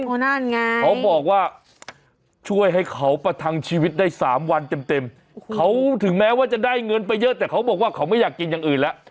โอ้โหนั่นไงเขาบอกว่าช่วยให้เขาประทังชีวิตได้สามวันเต็มเต็มเขาถึงแม้ว่าจะได้เงินไปเยอะแต่เขาบอกว่าเขาไม่อยากกินอย่างอื่นแล้ว